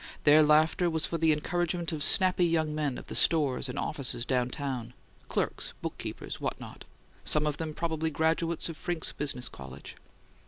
Their laughter was for the encouragement of snappy young men of the stores and offices down town, clerks, bookkeepers, what not some of them probably graduates of Frincke's Business College.